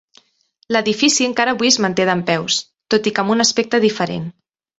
L'edifici encara avui es manté dempeus, tot i que amb un aspecte diferent.